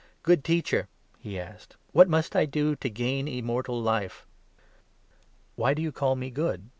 "Good Teacher," he asked, "what must I do to gain Immortal Life?" "Why do you call me good?"